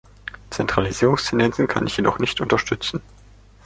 Zentralisierungstendenzen kann ich jedoch nicht unterstützen.